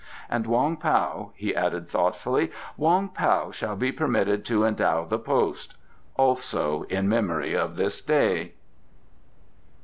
And Wong Pao," he added thoughtfully "Wong Pao shall be permitted to endow the post also in memory of this day."